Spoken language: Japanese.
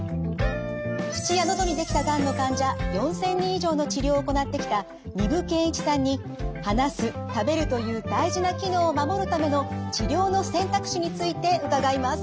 口や喉にできたがんの患者４，０００人以上の治療を行ってきた丹生健一さんに話す食べるという大事な機能を守るための治療の選択肢について伺います。